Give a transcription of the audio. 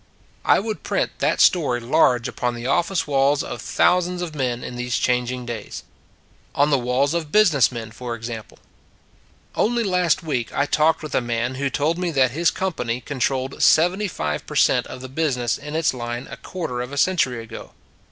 I would print that story large upon the office walls of thousands of men in these changing days. On the walls of business men, for ex ample. Only last week I talked with a man who told me that his company controlled seventy five percent of the business in its line a quarter of a century ago.